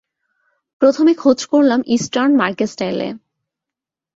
প্রথমে খোঁজ করলাম ইষ্টার্ন মার্কেস্টাইলে।